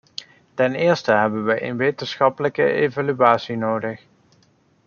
Ten eerste hebben we een wetenschappelijke evaluatie nodig.